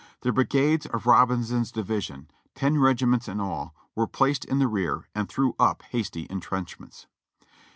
The brigades of Robinson's division, ten regi ments in all, were placed in the rear and threw up hasty en trenchments.